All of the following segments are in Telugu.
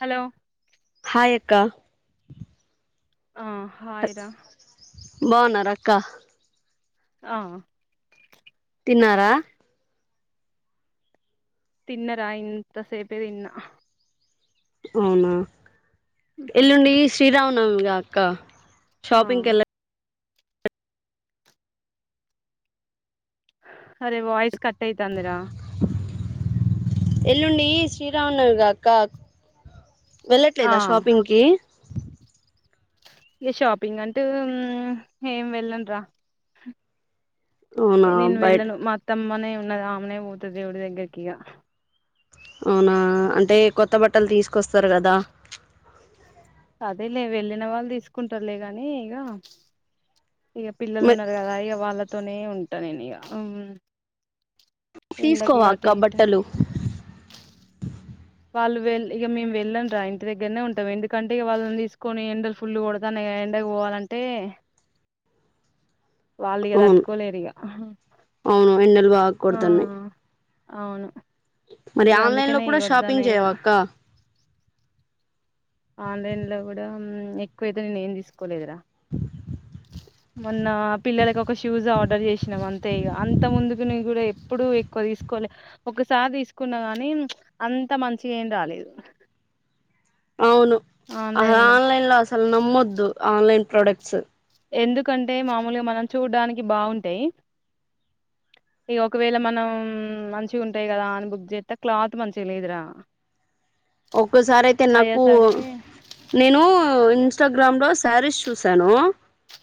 హలో హాయ్ అక్క. [unintelligible] హాయ్ రా. బావున్నారా అక్క. ఆ తిన్నారా. తిన్నరా ఇంత సేపేదిన్న. అవునా, ఎల్లుండి శ్రీరామనవమి కదా అక్క. ఆ షాపింగ్ కెల్లా. అరే వాయిస్ కట్ కట్ అయితాంది. రా. ఎల్లుండి శ్రీరామనవమిగా అక్క. ఆ వెళ్లట్లేదా షాపింగ్ కి. ఇ షాపింగ్ అంటూ ఏం వెళ్ళండ రా. అవునా నేను బయట వెళ్ళను మా అత్తమ్మనే ఉన్న ఆమెనే పోతాది దేవుడి దగ్గరకిగా. అవునా అంటే కొత్త బట్టలు తీసుకొస్తారు కదా. అదే లే వెళ్ళిన వాళ్ళు తీసుకుంటారులే కానీ ఇగా. ఇగా పిల్లలు ఉన్నారు. కదా ఇక వాళ్ళతోనే ఉంటా నేను ఇగా. తీసుకోవా అక్క బట్టలు. వాళ్ళు వె ఇగ మేము వెళ్ళం. రా ఇంటి దగ్గరనే ఉంటాం. ఎందుకంటే ఇక వాళ్ళని తీసుకొని ఎండల ఫుల్లు కొడుతానై గదా. ఎండ పోవాలంటే. వాళ్ళు ఇగ అవును తట్టుకోలేరిగా. అవును ఎండలు బాగా కొడుతున్నాయి. అవును. మరి ఇగ ఆన్లైన్ లో అందుకనే ఇగ కూడా వద్దన్న షాపింగ్ ఇగ చెయ్యవా అక్క. ఆన్లైన్ లో కూడా ఎక్కువైతే నేను ఏం తీసుకోలేదురా. [inaudible] మొన్న పిల్లలకి ఒక షూస్ ఆర్డర్ చేసినాం, అంతే ఇక అంత ముందుకు నీ కూడా ఎప్పుడు ఎక్కు. తీసుకోలే ఒకసారి తీసుకున్నా గాని, అంత మంచిగా ఏం రాలేదు. అవును, ఆన్లైన్ లో అసలు నమ్మొద్దు ఆన్లైన్ ప్రొడక్ట్స్. ఎందుకంటే మామూలుగా మనం చూడ్డానికి బాగుంటాయి. ఇక ఒకవేళ మనం మంచిగా ఉంటాయి కదా. అని బుక్ చేస్తే క్లాత్ మంచిగా లేదురా. ఒక్కసారి అయితే నాకు అయ్యేసరికి నేను. ఇన్స్టాగ్రామ్ లో శారీస్ చూశాను,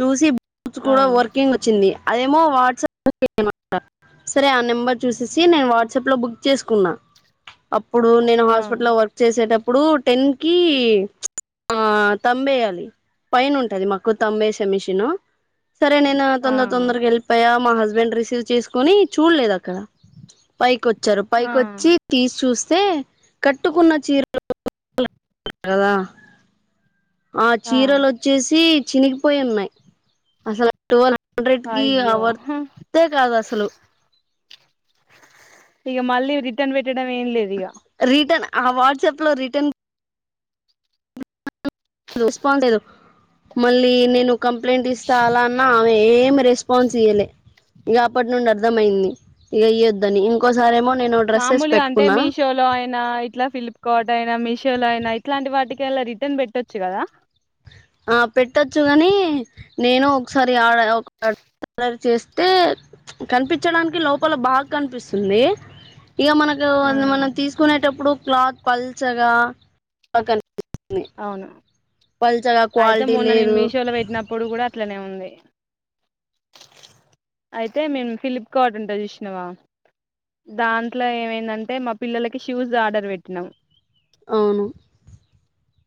చూసి [unintelligible] ఆ కూడా వర్కింగ్ వచ్చింది. అదేమో వాట్సాప్ [unintelligible] సరే ఆ నెంబర్ చూసేసి నేను వాట్సప్ లో బుక్. చేసుకున్నా, అప్పుడు నేను ఆ హాస్పిటల్ వర్క్. వసేటప్పుడు టెన్ కి. ఆ తంబేయాలి పైన ఉంటది. మాకు తంబు వేసే మిషన్. సరే నేను ఆ తొందర తొందరకి వెళ్లిపోయా. అయ్యా మా హస్బెండ్ రిసీవ్ చేసుకుని చూడలేదు. అక్కడ. పైకి వచ్చారు పైకి ఆ వచ్చి తీసి చూస్తే కట్టుకున్న చీరలు. కదా ఆ చీరలు వచ్చేసి చిగిపోయి. ఉన్నాయి. అసలు ట్వల్ హండ్రెడ్ కి అయ్యో అవర్తే కాదు అసలు. ఇక మళ్ళీ రిటర్న్ పెట్టడం ఏం లేదు ఇగ. రిటర్న్ ఆ వాట్సాప్ లో రిటర్న్. రెస్పాన్. మళ్ళీ నేను కంప్లైంట్ ఇస్తా అలా. ఆమె ఏం రెస్పాన్స్ ఇయ్యలే. ఇగ అప్పటి నుండి అర్థమయింది. ఇగ ఇయ్యొద్దని ఇంకోసారేమో. నేను డ్రెస్సెస్ మామూలుగా అంటే పెట్టుకున్నా మీషో లో అయినా ఇట్లా ఫ్లిప్ కార్డ్ అయినా మీషో. లోయినా ఇట్లాంటి వాటికి అలా రిటర్న్ పెట్టొచ్చు కదా. ఆ పెట్టచ్చు కాగాని నేను ఒకసారి. [unintelligible] తలర్ చేస్తే కనిపించడానికి లోపల బాగా కనిపిస్తుంది ఇక మనకు ఉమ్ మనం తీసుకునేటప్పుడు క్లాత్ పల్చగా అవును పల్చగా అయితే క్వాలిటీ మొన్న నేను లేదు మీషోలో పెట్టినప్పుడు కూడా అట్లనే ఉంది అయితే మేము ఫిలిప్కార్ట్ ఉంటే చూసినావా దాంట్లో ఏమైందంటే మా పిల్లలకి షూస్ ఆర్డర్ పెట్టినాము ఆ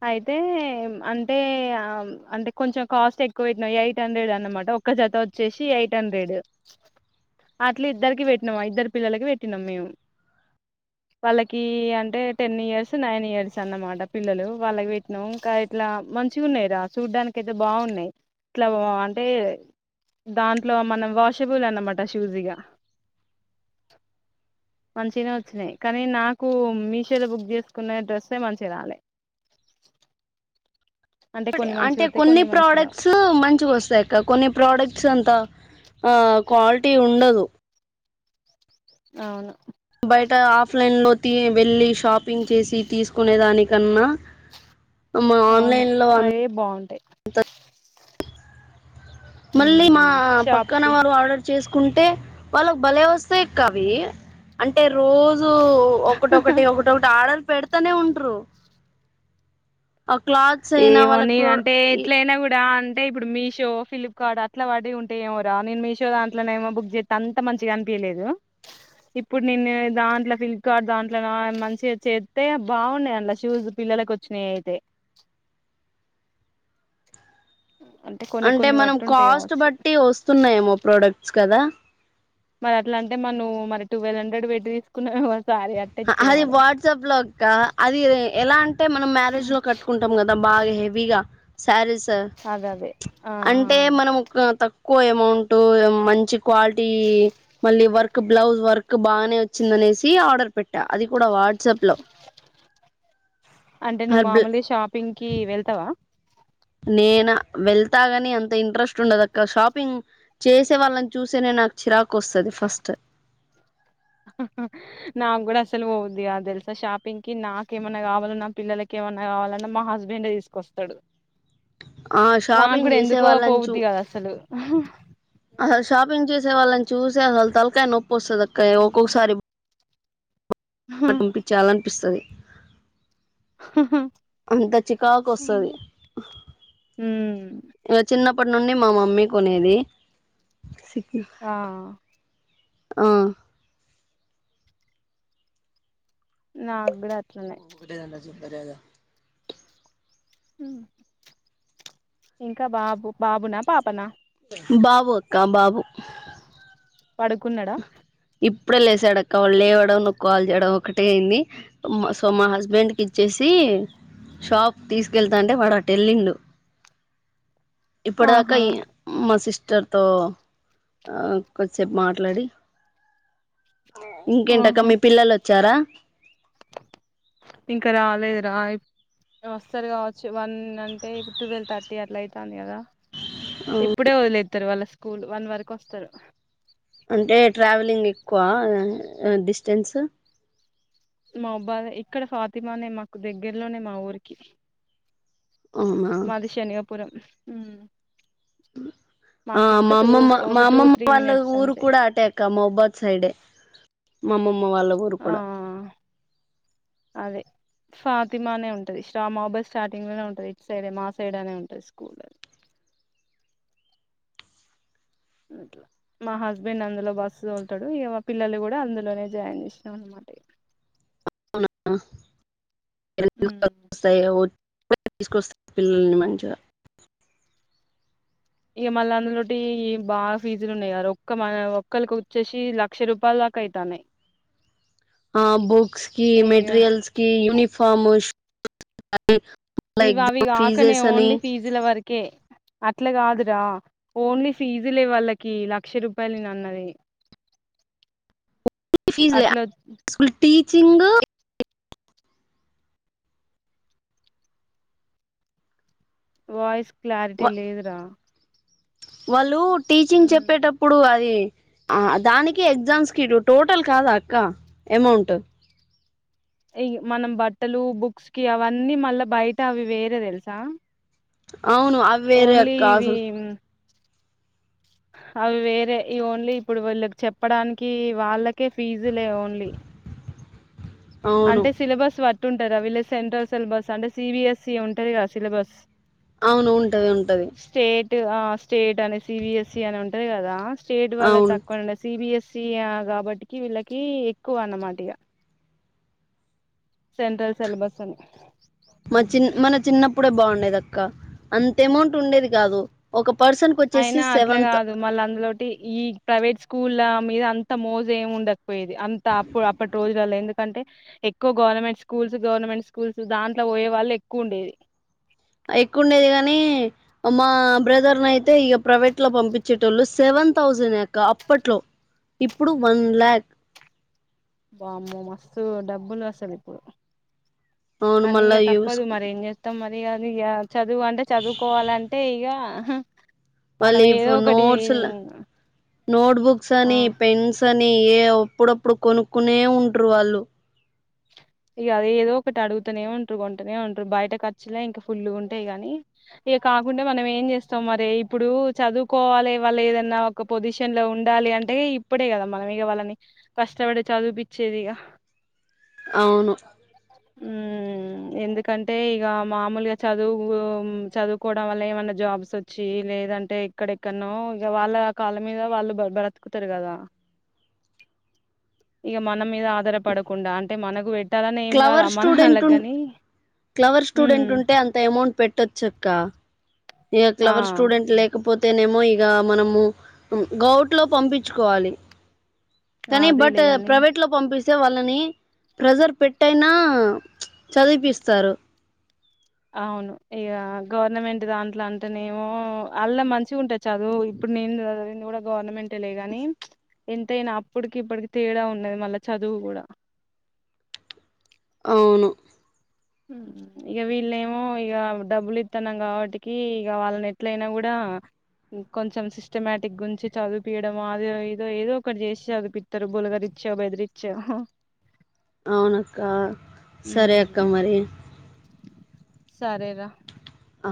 అయితే అంటే అంటే కొంచెం కాస్ట్ ఎక్కువవుతుయి ఎయిట్ హండ్రెడ్ అనమాట ఒక్క జత వచ్చేసి ఎయిట్ హండ్రెడ్ అట్లా ఇద్దరికి పెట్టినామా ఇద్దరు పిల్లలకి పెట్టినాం మేము వాళ్ళకి అంటే టెన్ ఇయర్స్ నైన్ ఇయర్స్ అన్నమాట పిల్లలు వాళ్ళకి పెట్నాం ఇంకా ఇట్లా మంచిగా ఉన్నాయి రా చూడ్డానికి అయితే బాగున్నాయి ఇట్లా అంటే దాంట్లో మనం వాషబుల్ అన్నమాట షూజ్ ఇగా మంచినే వచ్చినాయి కానీ నాకు మీషోలో బుక్ చేసుకున్న డ్రస్ మంచిగా రాలే అంటే కొన్ని మంచిగా అంటే వస్తాయి కొన్ని మంచి రావు ప్రోడక్ట్స్ మంచిగా వస్తాయిక్క కొన్ని ప్రోడక్ట్స్ అంతా ఆ క్వాలిటీ ఉండదు అవును బయట ఆఫ్లైన్ లో వెళ్ళలి షాపింగ్ చేసి తీసుకునే దానికన్నా మ్ అవును ఆన్లైన్ లో అ అయే బాగుంటాయి మళ్ళీ మా ఉమ్ పక్కన షాపి వారు ఆర్డర్ చేసు కుంటే వాళ్ళకి బలే వస్తాయి కవి అంటే రోజూ ఒకటొకటి ఒకటొ ఒకటి ఆడర్ పెడతానే ఉంట్ర ఏమో వాళ్ళకి నేను ప్రో అంటే ఈ ఎట్లయినా కూడా అంటే ఇప్పుడు మీషో ఫ్లిప్కార్ట్ అట్లా వాడి ఉంటే ఏమోరా నేను మీషో దాంట్లోనేమో బుక్ చేస్తే అంత మంచిగా అనిపియదు తె లేదు ఇప్పుడు నేన్న దాంట్లో ఫిలిప్కార్ట్ దాంట్లో మంచిగా చేస్తే బాగున్నాయి షూజ పిల్లలకు వచ్చినాయి అయితే కొన్ని అంటే కొన్ని మనం బట్టి ఉంటాయి కాస్ట్ కావచ్చు బట్టి వస్తున్నాయేమో ప్రోడక్ట్స్ కదా మరి అట్లా అంటే మనం మరి ట్వెల్వ్ హండ్రెడ్ బెడ్ తీసుకునే అది వాట్సాప్ లోక్క అది ఎలా అంటే మనం మ్యారేజ్ లో కట్టుకుంటాం కదా బాగా హెవీగా సారీస్ సార్ అదే అదే ఆ అంటే మనం ఒక తక్వ ఎక్కువ అమౌంట్ మంచి క్వాలిటీ మళ్ళీ వర్క్ బ్లౌజ్ వర్క్ బానే వచ్చిందని ఆర్డర్ పెట్ట అది కూడా వాట్సప్ లో అంటే నువ్వు మామూలు షాపింగ్ కి వెళ్తావా నేనా వెళ్తాగాని అంత ఇంట్రెస్ట్ ఉండదు అక్క షాపింగ్ చేసే వాళ్ళని చూసే నేను నాకు చిరాకు వస్తుంది ఫస్ట్ నాకు కూడా అసలు పోది ఆ తెలుసా షాపింగ్ కి నాకేమన్నా కావాలో నా పిల్లలకి ఏమన్నా కావాలన్నా మా హస్బెండ్ ఏ తీసుకొస్తాడు ఆ షాపింగ్ మాకుడ చేసే ఎందుకో వాళ్ళని చూ పోవద్ది కాదు అసలు అసలు షాపింగ్ చేసే వాళ్ళని చూసి అసలు తలకాయ నొప్పి వస్తుంది అక్క ఒక్కొక్కసారి పించాలనిపిస్తుంది అంత చికాకు వస్తది ఉమ్ ఇ చిన్నప్పటి నుండి మా మమ్మీ కొనేది ఆ అ నా గుడ అట్లనే ఓరేదరే అదా [unintelligible] ఇంకా బాబు బాబునా పాపనా బాబు అక్కా బాబు పడుకున్నాడా ఇప్పుడే లేసాడు అక్క వాళ్ళు లేవ్వడం ను్వు కాల్ చేయడం ఒకటే అన్ని సో మా హస్బెండ్ కి ఇచ్చేసి షాప్ తీసుకెళ్తా అంటే వాడు అటవెళిండు ఇప్పుడుదాకా ఆహా మా సిస్ట మస్టర్ తో కొదిసేపు మాట్లాడి ఇంకేంటక్క ఆహా మీ పిల్లలు వచ్చారా ఇంకా రాలేదు రా వస్తారు కావచ్చు వన్ అంటే ఇప్పుడు ట్వెల్వ్ థర్టీ అట్లా అవుతుంది కదా ఇప్పుడే వదిలేతారు వాళ్ళ స్కూల్ వన్ వరకు వస్తారు అంటే ట్రావెలింగ్ ఎక్కువ డిస్టెన్స్ మా అబ్బా ఇక్కడ ఫాతిమానే మాకు దగ్గరలోనే మా ఊరికి అవునా మది శనిగాపురం అ ఆ మాకింత మా టూ అమ్మమ్మ మా ఒక టూ అమ్మమ్మ త్రీ వాళ్ళ మినిట్స్ ఊరు అంతే కూడా అటాక మౌబాద్ సైడ్ ఏ ఆ అదే ఫాతిమా అనే ఉంటుది మబాస్ స్టార్టింగ్ లోనే ఉంటుది ఇటు సైడ్ మా సైడ్ అనే ఉంటుంది స్కూల్ది [inaudible] అట్లా మా హస్బెండ్ అందులో బస్ తోలుతాడు ఇ మా పిల్లలు కూడా అందులోనే జాయిన్ చేసినాం అనమాట ఇగ [inaudible] తీసుకొస్తారు పిల్లల్ని మంచిగా ఇక మళ్ళీ అందులోటి బాగా ఫీజులు ఉన్నాయి క ఒక్క మ ఒక్కరికి వచ్చేసి లక్ష రూపాయలు కైతానే అ హా బుక్స్ కి ఇగ మెటీరియల్స్ కి యూనిఫార్మ్ [inaudible] ఇవి అవి కాకనే ఓన్లీ ఫీజుల వరకే అట్లా కాదురా ఓన్లీ ఫీజులే వాళ్ళకి లక్ష రూపాయలున్నది fees school teaching voice clarity లేదురా వాళ్ళు టీచింగ్ చెప్పేటప్పుడు అది ఆ దానినికి ఎగ్జామ్స్క్యూటివ్ టోటల్ కాదా అక్క అమౌంట్ ఈ మనం బట్టలు బుక్స్ కి అవన్నీ మళ్ళా బయట అవి వేరే తెలుసా అవును అ వేర ఓన్లీ అక్క అసలు ఇవి అవి వేరే ఈ ఓన్లీ ఇప్పుడు వీళ్ళకి చెప్పడానికి వాళ్ళకే ఫీజులే ఓన్లీ అవును అంటే సిలబస్ పట్టి ఉంటారుా వీళ్ళ్ సెంట్రల్ సిలబస్ అంటే సిబిఎస్ఈ ఉంటంది కదా సిలబస్ అవును ఉంటది ఉంటది స్టేట్ స్టేట్ అనే సిబిఎస్సి అని ఉంటది కదా స్టేట్ వల్ల అవును తక్కువ ఉండ సిబిఎస్సి స కాబట్టికి వీళ్ళకి ఎక్కువ అన్నమాట ఇక సెంట్రల్ సిలబస్ అని మా చిన్ మన చిన్నప్పుడే బాగుండేది అక్క అంత అమౌంట్ ఉండేది కాదు ఒక పర్సన్ కి వచ్చేసి అయినా అట్లా సెవెంత్ కాదు మళ్ళ అందులోటి ఈ ప్రైవేట్ స్కూల్ల మీద అంత మోజ ఏమి ఉండకపోయేది అంత అప్పుడు అప్పటి రోజులలో ఎందుకంటే ఎక్కువ గ గవర్నమెంట్ స్కూల్ గవర్నమెంట్ స్కూల్ దాంట్లో పోయే వాళ్ళ ఎక్కువ ఉండేది [inaudible] ఎక్కువండేది కాగాని మా బ్రదర్ ని అయితే ఇక ప్రైవేట్ లో పంపించేటోళ్ళు సేవ న్ థౌజండ్ అక్క అప్పట్లో ఇప్పుడు వన్ ల్యాక్ వామ్మో మస్తు డబ్బులు వస్తంది ఇప్పుడు అవును కానీ మళ్ళా ఇక యూస్ తప్పదు మరి ఏం చేస్తాం మ అది కాదు ఇక చదువు అంటే చదువుకోవాలంటే ఇక మనం మళ్ళీ ఏదో ఒకటి నోట్స్ల నోట్బుక్స్ ఆ అని పెన్స్ అని ఏ అప్పుడప్పుడు కొనుక్కునే ఉంటరు వాళ్ళు ఇక ఏదో ఒకటి అడుగుతూనే ఉంటారు కొంటనే ఉంటారు బయట ఖర్చులే ఇంకా ఫుల్లు ఉంటాయి గానీ ఇ కాకుంటే మనం ఏం చేస్తాం మరి ఇప్పుడు చదువుకోవాలి వాళ్ళ ఏదన్నా ఒక పొజిషన్ లో ఉండాలి అంటే ఇప్పుడే కదా మనం ఇక వాళ్ళని కష్టపడి చదిపిచ్చేది ఇక అవును ఉమ్ ఎందుకంటే ఇక మామూలుగా చదువు చదువుకోవడం వల్ల ఏమన్నా జాబ్స్ వచ్చి లేదంటే ఇక్కడెక్కడనో ఇ వాళ్ళ కళ్ళ మీద వాళ్ళు బ్రతుకుతారు కదా ఇక మన మీద ఆధారపడకుండా అంటే మనకు పెట్టి క్లవర్ స్టూడెంట్ క్లవర్ ఉమ్ స్టూడెంట్ ఉంటే అంత అమౌంట్ పెట్టొచ్చు ఇక ఆ క్లవర్ స్టూడెంట్ లేకపో అతేనేమో ఇగ మనము గౌట్ లో పంపించుకోవాలి కానీ బట్ అదేలేగాని ప్రైవేట్ లో పంపిస్ వాళ్ళని ప్రజర్ పెట్టైనా చదివిపిస్తారు ఆ అవును ఇక గవర్నమెంట్ దాంట్లో అంటేనేమో అల మంచిగా ఉంటే చదువు ఇప్పుడు నేను కూడా గవర్నమెంటే లే గాని ఎంతైనా అప్పటికి ఇప్పటికి తేడా ఉన్నది మళ్ళా చదువు కూడ అవును ఇక వీళ్ళేమో ఇక డబ్బులు ఇస్తున్నాం కాబట్టికి ఇక వాళ్ళని ఎట్లయినా కూడ ఆ కొంచెం సిస్టమేటిక్ గురించి చదివుపియడం అద ఏదో ఏదో ఒకక్కటి చేసి చదిపిస్తారు బులగరి [unintelligible] బెదిరిచ్చో అవునక్క సరే అక్క ఉమ్ మరి సరేరా ఆ